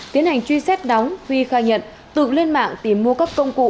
tiến hành truy xét đóng huy khai nhận tự lên mạng tìm mua các công cụ